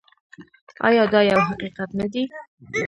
آیا دا یو حقیقت نه دی؟